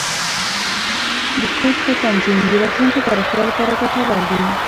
د کوډ ښه تنظیم، د راتلونکي پراختیا لپاره ګټور وي.